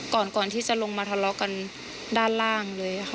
ก่อนที่จะลงมาทะเลาะกันด้านล่างเลยค่ะ